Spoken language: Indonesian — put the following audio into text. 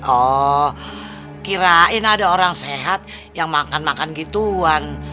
oh kirain ada orang sehat yang makan makan gituan